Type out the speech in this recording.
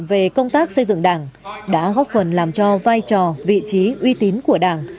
về công tác xây dựng đảng đã góp phần làm cho vai trò vị trí uy tín của đảng